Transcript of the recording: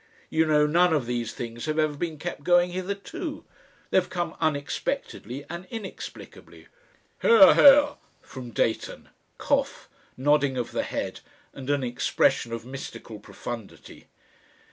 You know none of these things have ever been kept going hitherto; they've come unexpectedly and inexplicably." "Hear, hear!" from Dayton, cough, nodding of the head, and an expression of mystical profundity.